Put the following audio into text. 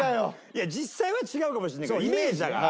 いや実際は違うかもしれないけどイメージだから。